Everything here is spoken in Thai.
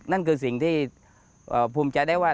นั่นคือสิ่งที่ภูมิใจได้ว่า